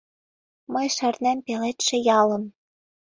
Мый шарнем пеледше ялым